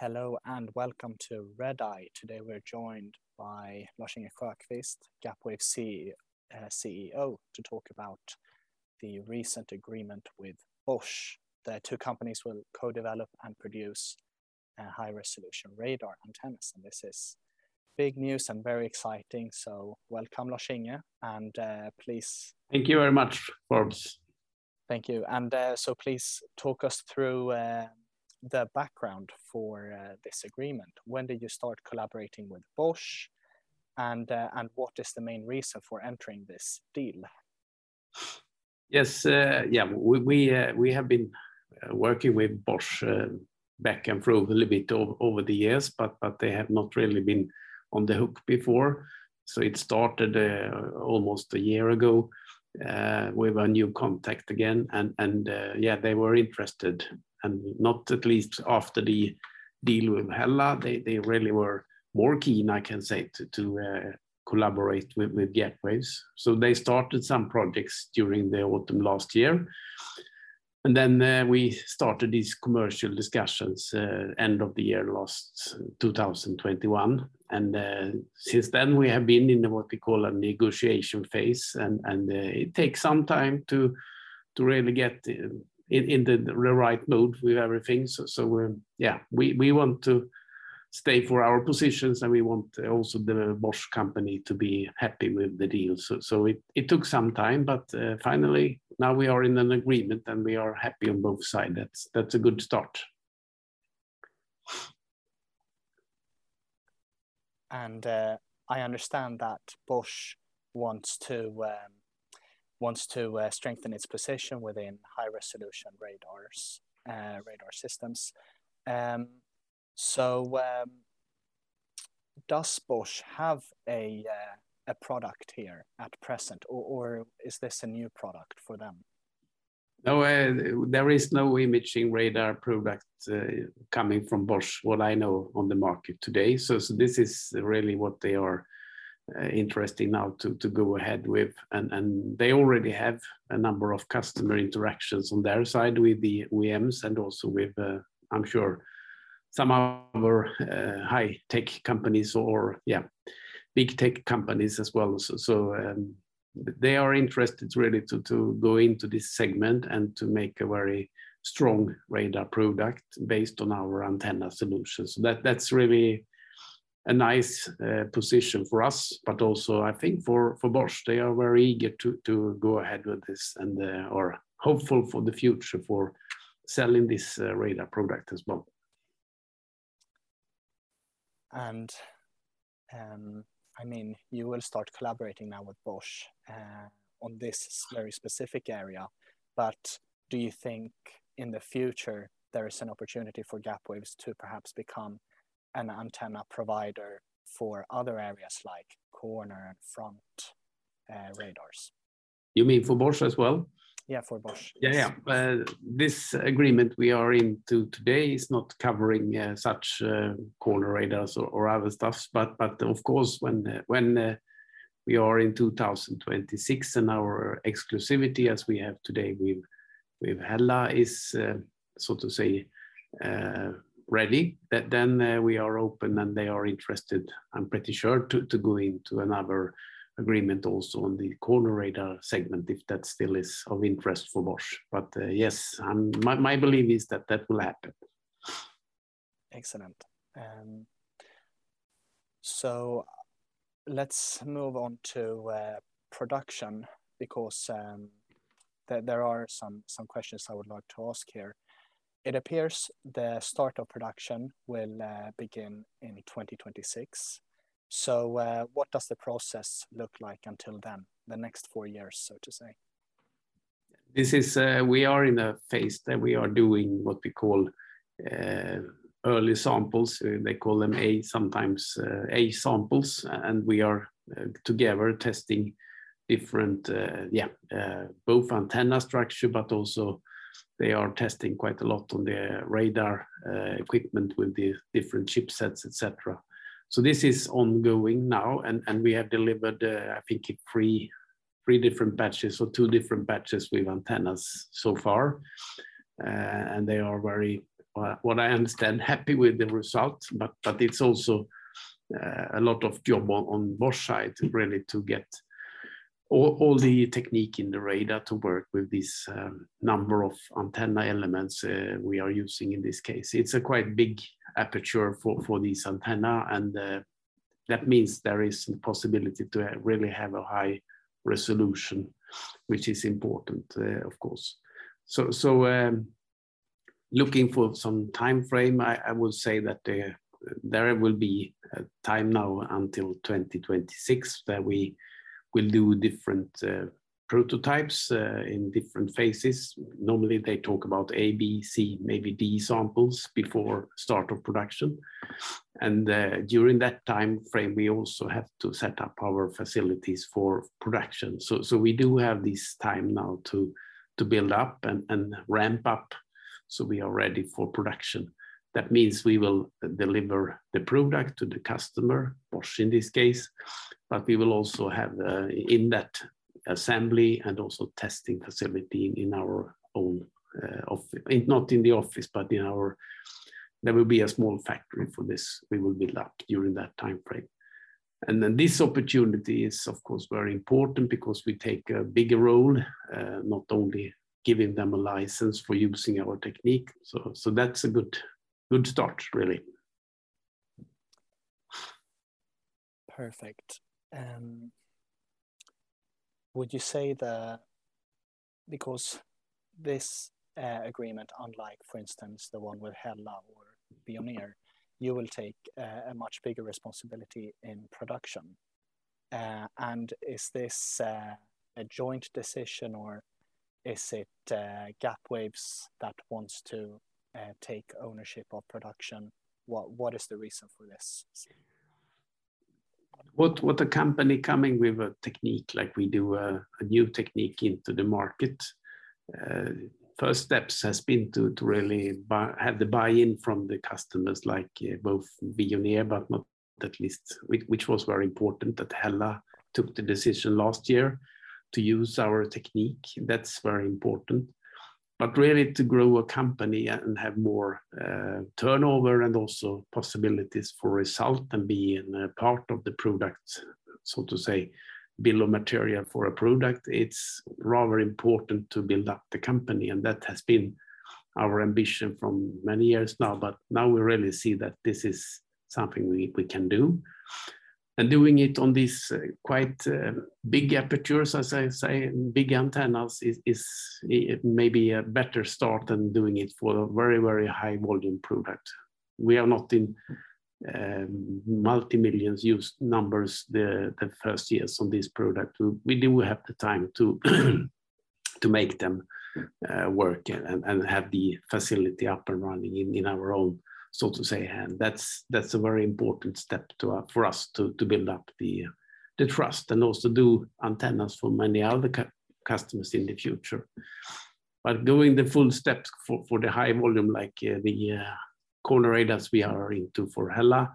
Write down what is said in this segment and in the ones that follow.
Hello and welcome to Redeye. Today, we're joined by Lars-Inge Sjöqvist, Gapwaves CEO, to talk about the recent agreement with Bosch. The two companies will co-develop and produce a high-resolution radar antennas, and this is big news and very exciting. Welcome, Lars-Inge, and please- Thank you very much, Forbes. Thank you. Please talk us through the background for this agreement. When did you start collaborating with Bosch and what is the main reason for entering this deal? Yes. Yeah. We have been working with Bosch back and forth a little bit over the years, but they have not really been on the hook before. It started almost a year ago with a new contact again, and yeah, they were interested. Not least after the deal with Hella, they really were more keen, I can say, to collaborate with Gapwaves. They started some projects during the autumn last year. We started these commercial discussions end of last year 2021, and since then we have been in what we call a negotiation phase, and it takes some time to really get in the right mode with everything. We want to stay for our positions, and we want also the Bosch company to be happy with the deal. It took some time, but finally, now we are in an agreement, and we are happy on both sides. That's a good start. I understand that Bosch wants to strengthen its position within high-resolution radars, radar systems. Does Bosch have a product here at present or is this a new product for them? No. There is no imaging radar product coming from Bosch, what I know on the market today. This is really what they are interested now to go ahead with. They already have a number of customer interactions on their side with the OEMs and also with, I'm sure some other high-tech companies or, yeah, big tech companies as well. They are interested really to go into this segment and to make a very strong radar product based on our antenna solutions. That's really a nice position for us, but also I think for Bosch, they are very eager to go ahead with this and are hopeful for the future for selling this radar product as well. I mean, you will start collaborating now with Bosch on this very specific area. Do you think in the future there is an opportunity for Gapwaves to perhaps become an antenna provider for other areas like corner and front radars? You mean for Bosch as well? Yeah, for Bosch. Yeah, yeah. This agreement we are into today is not covering such corner radars or other stuff. Of course, when we are in 2026 and our exclusivity, as we have today with Hella, is so to say ready, that then we are open, and they are interested, I'm pretty sure, to go into another agreement also on the corner radar segment, if that still is of interest for Bosch. Yes, my belief is that that will happen. Excellent. Let's move on to production because there are some questions I would like to ask here. It appears the start of production will begin in 2026. What does the process look like until then, the next 4 years, so to say? This is we are in a phase that we are doing what we call early samples. They call them A, sometimes A samples, and we are together testing different both antenna structure, but also they are testing quite a lot on the radar equipment with the different chipsets, etc. This is ongoing now, and we have delivered I think three different batches or two different batches with antennas so far. They are very what I understand happy with the results, but it's also a lot of job on Bosch side really to get all the technique in the radar to work with this number of antenna elements we are using in this case. It's a quite big aperture for this antenna, and that means there is possibility to really have a high resolution, which is important, of course. Looking for some timeframe, I would say that there will be a time now until 2026 that we will do different prototypes in different phases. Normally, they talk about A, B, C, maybe D samples before start of production. During that timeframe, we also have to set up our facilities for production. We do have this time now to build up and ramp up, so we are ready for production. That means we will deliver the product to the customer, Bosch in this case, but we will also have in that assembly and also testing facility in our own. There will be a small factory for this. We will be lucky during that timeframe. This opportunity is, of course, very important because we take a bigger role, not only giving them a license for using our technology. That's a good start, really. Perfect. Because this agreement, unlike for instance, the one with Hella or Veoneer, you will take a much bigger responsibility in production. Is this a joint decision or is it Gapwaves that wants to take ownership of production? What is the reason for this? What a company coming with a technique like we do, a new technique into the market, first steps has been to really have the buy-in from the customers like both Veoneer, last but not least. Which was very important that Hella took the decision last year to use our technique. That's very important. Really to grow a company and have more turnover and also possibilities for result and being a part of the product, so to say, bill of material for a product, it's rather important to build up the company, and that has been our ambition from many years now. Now we really see that this is something we can do. Doing it on these quite big apertures, as I say, big antennas is maybe a better start than doing it for a very, very high volume product. We are not in multi-millions use numbers the first years on this product. We do have the time to make them work and have the facility up and running in our own, so to say. That's a very important step to, for us to build up the trust and also do antennas for many other customers in the future. Doing the full steps for the high volume like the corner radars we are into for Hella,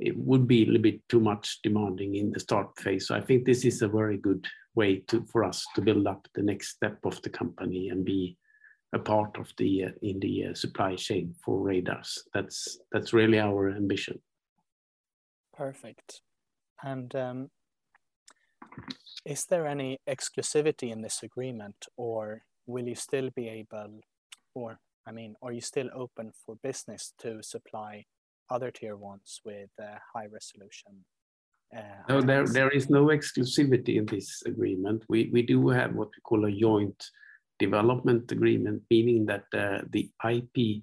it would be a little bit too much demanding in the start phase. I think this is a very good way for us to build up the next step of the company and be a part of the in the supply chain for radars. That's really our ambition. Perfect. Is there any exclusivity in this agreement? I mean, are you still open for business to supply other tier ones with high resolution? No, there is no exclusivity in this agreement. We do have what we call a joint development agreement, meaning that the IP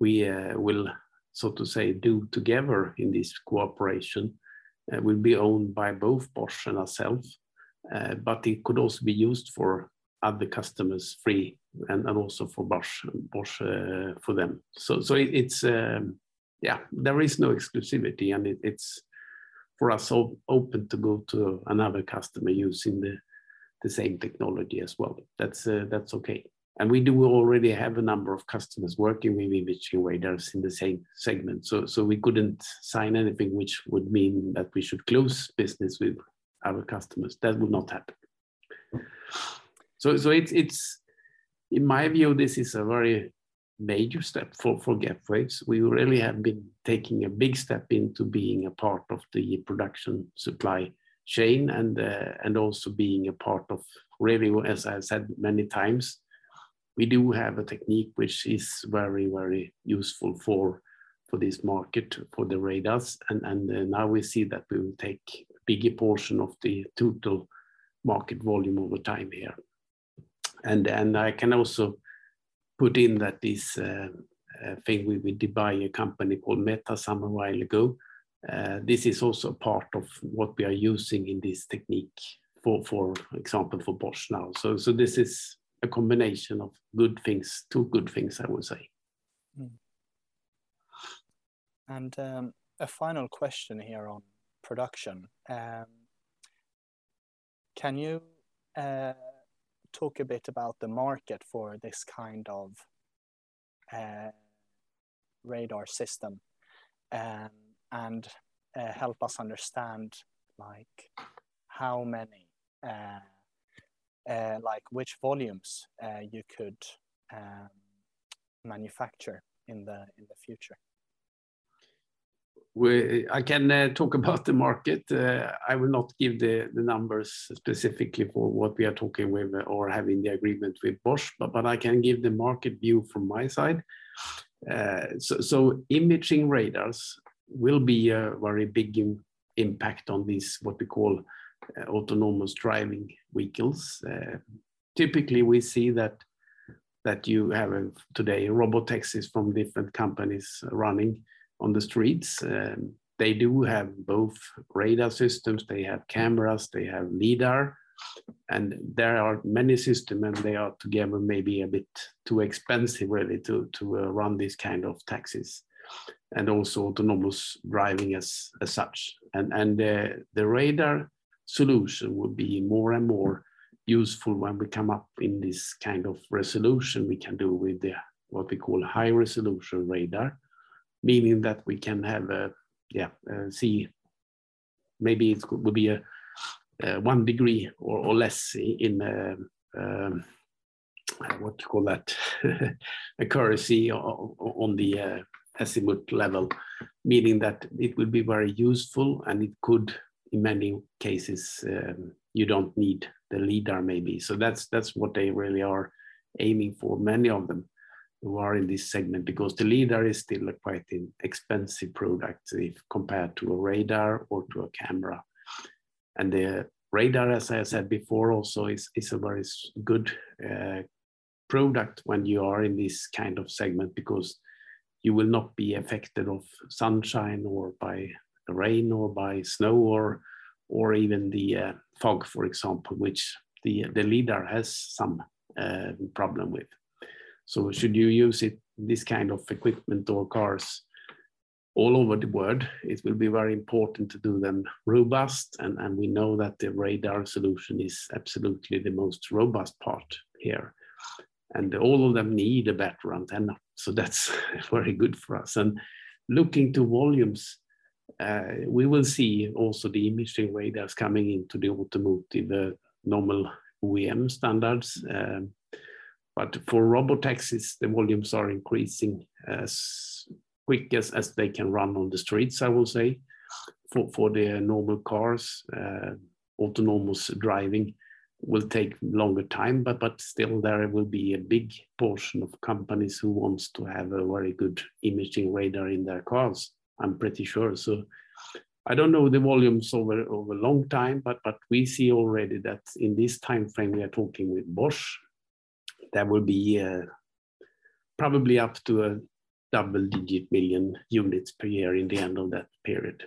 we will, so to say, do together in this cooperation will be owned by both Bosch and ourselves. But it could also be used for other customers freely and also for Bosch for them. It's yeah, there is no exclusivity, and it's for us open to go to another customer using the same technology as well. That's okay. We do already have a number of customers working with imaging radars in the same segment. We couldn't sign anything which would mean that we should close business with other customers. That would not happen. In my view, this is a very major step for Gapwaves. We really have been taking a big step into being a part of the production supply chain and also being a part of really, as I said many times, we do have a technique which is very useful for this market, for the radars. We see that we will take a bigger portion of the total market volume over time here. I can also put in that this thing we did buy a company called Metasum some time ago. This is also part of what we are using in this technique, for example, for Bosch now. This is a combination of good things, two good things, I would say. Mm-hmm. A final question here on production. Can you talk a bit about the market for this kind of radar system, and help us understand, like, how many, like which volumes you could manufacture in the future? I can talk about the market. I will not give the numbers specifically for what we are talking with or having the agreement with Bosch, but I can give the market view from my side. Imaging radars will be a very big impact on these what we call autonomous driving vehicles. Typically, we see that you have today Robotaxis from different companies running on the streets. They do have both radar systems. They have cameras, they have lidar, and there are many systems, and they are together maybe a bit too expensive really to run these kind of taxis, and also autonomous driving as such. The radar solution will be more and more useful when we come up in this kind of resolution we can do with what we call high-resolution radar. Meaning that we can have maybe it will be a one degree or less in what you call that accuracy on the azimuth level, meaning that it will be very useful and it could, in many cases, you don't need the lidar maybe. That's what they really are aiming for, many of them who are in this segment. Because the lidar is still a quite an expensive product if compared to a radar or to a camera. The radar, as I said before, also is a very good product when you are in this kind of segment because you will not be affected of sunshine or by rain or by snow or even the fog, for example, which the lidar has some problem with. Should you use it, this kind of equipment or cars all over the world, it will be very important to do them robust and we know that the radar solution is absolutely the most robust part here. All of them need a better antenna, so that's very good for us. Looking to volumes, we will see also the imaging radar that's coming into the automotive, the normal OEM standards. But for robotaxis, the volumes are increasing as quick as they can run on the streets, I will say. For the normal cars, autonomous driving will take longer time but still there will be a big portion of companies who wants to have a very good imaging radar in their cars, I'm pretty sure. I don't know the volumes over long time, but we see already that in this timeframe we are talking with Bosch, that will be probably up to a double-digit million units per year in the end of that period.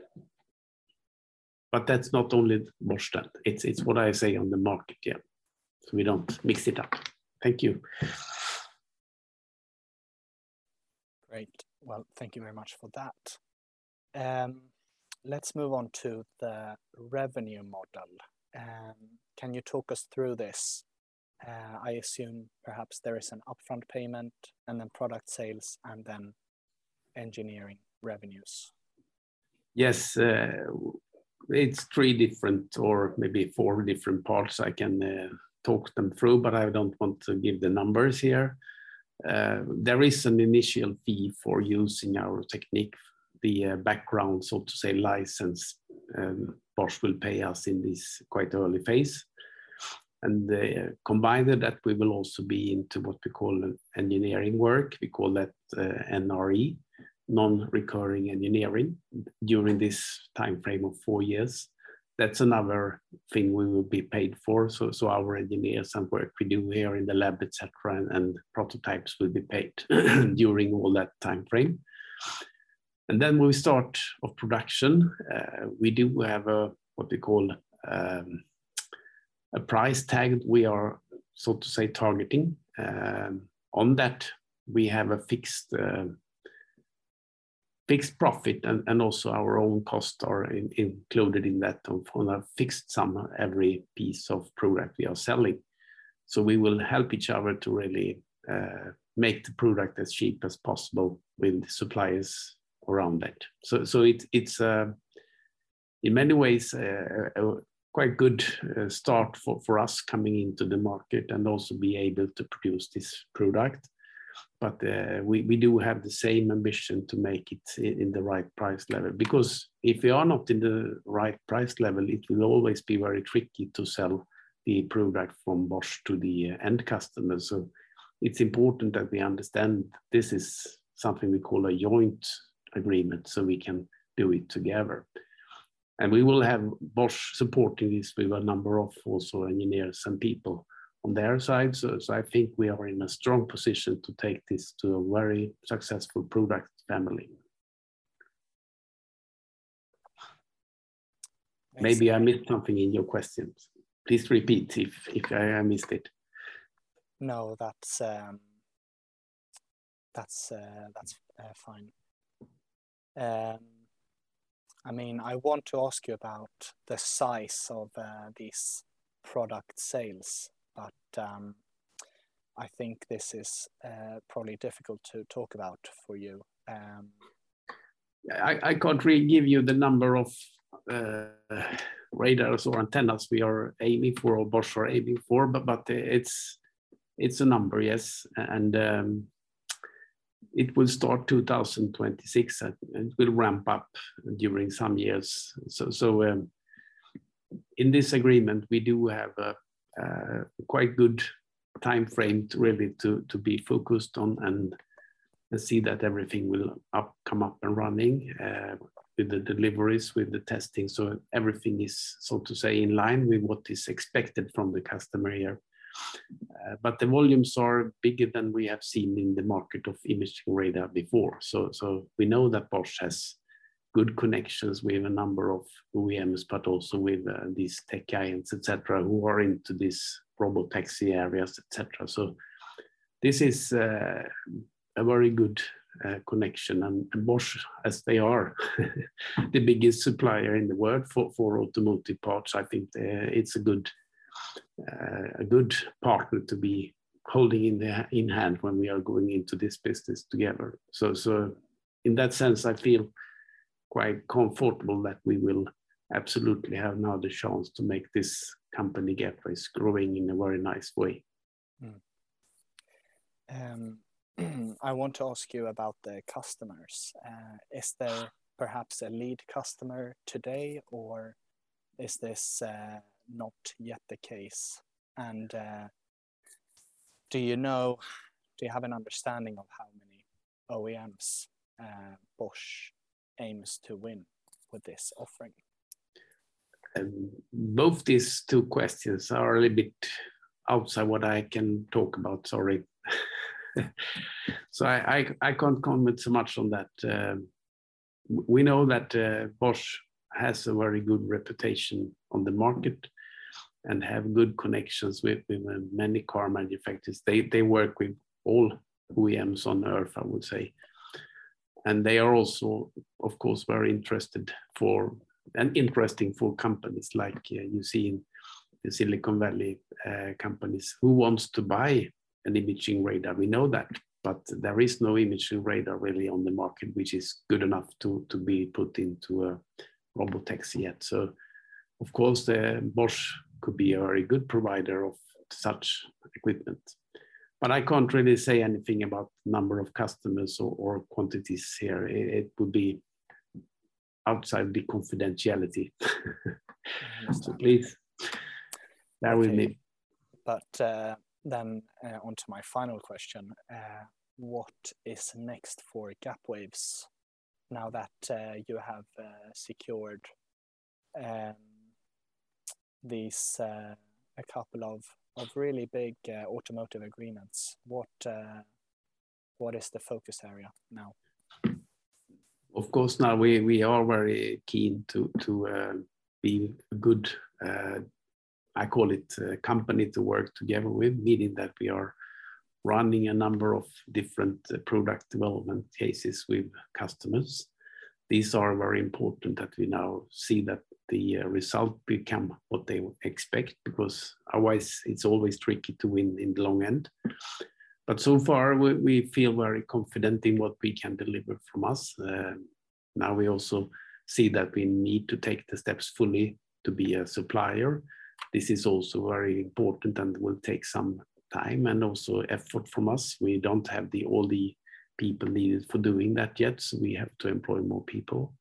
That's not only Bosch that, it's what I say on the market. We don't mix it up. Thank you. Great. Well, thank you very much for that. Let's move on to the revenue model. Can you talk us through this? I assume perhaps there is an upfront payment and then product sales and then engineering revenues. Yes. It's three different or maybe four different parts. I can talk them through, but I don't want to give the numbers here. There is an initial fee for using our technique, the background, so to say, license. Bosch will pay us in this quite early phase. Combined with that we will also be into what we call an engineering work. We call that NRE, non-recurring engineering, during this timeframe of four years. That's another thing we will be paid for. Our engineers and work we do here in the lab, et cetera, and prototypes will be paid during all that timeframe. Then when we start of production, we do have a what we call a price tag we are, so to say, targeting. On that we have a fixed profit and also our own cost are included in that on a fixed sum every piece of product we are selling. We will help each other to really make the product as cheap as possible with suppliers around that. It's in many ways a quite good start for us coming into the market and also be able to produce this product. We do have the same ambition to make it in the right price level. Because if we are not in the right price level it will always be very tricky to sell the product from Bosch to the end customer. It's important that we understand this is something we call a joint agreement so we can do it together. We will have Bosch supporting this with a number of also engineers and people on their side. I think we are in a strong position to take this to a very successful product family. Excellent. Maybe I missed something in your questions. Please repeat if I missed it. No, that's fine. I mean, I want to ask you about the size of these product sales, but I think this is probably difficult to talk about for you. Yeah, I can't really give you the number of radars or antennas we are aiming for or Bosch are aiming for, but it's a number, yes. It will start 2026 and will ramp up during some years. In this agreement, we do have a quite good timeframe to really be focused on and to see that everything will come up and running with the deliveries, with the testing, so everything is so to say in line with what is expected from the customer here. The volumes are bigger than we have seen in the market of imaging radar before. We know that Bosch has good connections with a number of OEMs, but also with these tech giants, et cetera, who are into these robotaxi areas, et cetera. This is a very good connection and Bosch, as they are the biggest supplier in the world for automotive parts, I think, it's a good partner to be holding in hand when we are going into this business together. In that sense, I feel quite comfortable that we will absolutely have now the chance to make this company, Gapwaves, growing in a very nice way. I want to ask you about the customers. Is there perhaps a lead customer today, or is this not yet the case? Do you have an understanding of how many OEMs Bosch aims to win with this offering? Both these two questions are a little bit outside what I can talk about. Sorry. I can't comment so much on that. We know that Bosch has a very good reputation on the market and have good connections with many car manufacturers. They work with all OEMs on Earth, I would say. They are also, of course, very interested for, and interesting for companies like you see in Silicon Valley, companies who wants to buy an imaging radar. We know that, but there is no imaging radar really on the market which is good enough to be put into robotaxis yet. Of course, the Bosch could be a very good provider of such equipment. I can't really say anything about number of customers or quantities here. It would be outside the confidentiality. Please bear with me. On to my final question. What is next for Gapwaves now that you have secured these a couple of really big automotive agreements? What is the focus area now? Of course, now we are very keen to be a good, I call it a company to work together with, meaning that we are running a number of different product development cases with customers. These are very important that we now see that the result become what they expect, because otherwise it's always tricky to win in the long end. So far, we feel very confident in what we can deliver from us. Now we also see that we need to take the steps fully to be a supplier. This is also very important and will take some time and also effort from us. We don't have all the people needed for doing that yet, so we have to employ more people.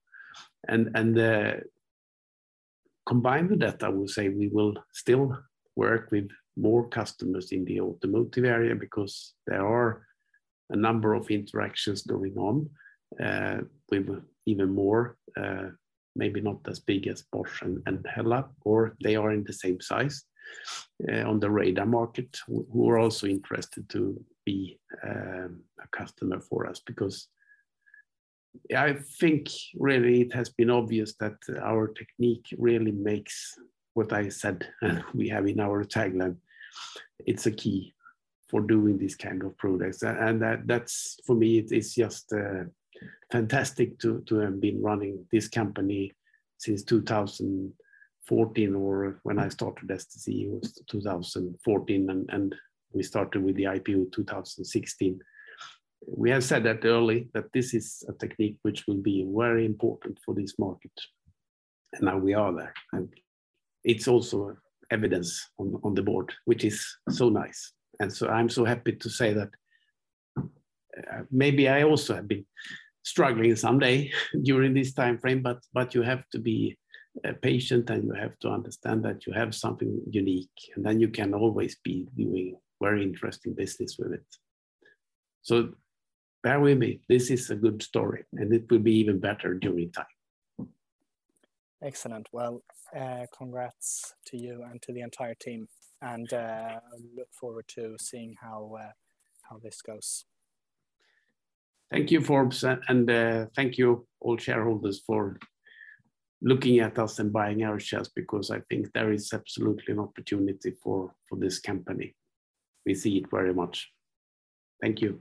Combined with that, I would say we will still work with more customers in the automotive area because there are a number of interactions going on with even more, maybe not as big as Bosch and Hella, or they are in the same size on the radar market, who are also interested to be a customer for us. Because I think really it has been obvious that our technique really makes what I said we have in our tagline. It's a key for doing this kind of products. And that's for me, it is just fantastic to have been running this company since 2014, or when I started as CEO was 2014, and we started with the IPO 2016. We have said that early, that this is a technique which will be very important for this market. Now we are there, and it's also evident on the board, which is so nice. I'm so happy to say that, maybe I also have been struggling some days during this timeframe, but you have to be patient, and you have to understand that you have something unique, and then you can always be doing very interesting business with it. Bear with me. This is a good story, and it will be even better over time. Excellent. Well, congrats to you and to the entire team, and I look forward to seeing how this goes. Thank you, Forbes, and thank you all shareholders for looking at us and buying our shares because I think there is absolutely an opportunity for this company. We see it very much. Thank you.